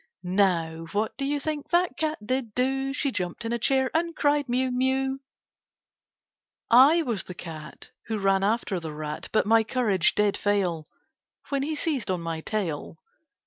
Now what do you think that cat did do? She jumped in a chair and cried, Mew! mew! I was the cat who ran after the rat, But my courage did fail When he seized on my tail.